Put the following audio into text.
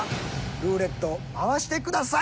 ルーレット回してください！